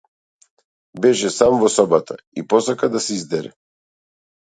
Беше сам во собата, и посака да се издере.